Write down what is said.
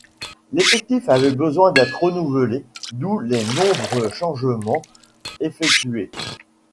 L'effectif avait besoin d'être renouvelé, d'où les nombreux changements effectués.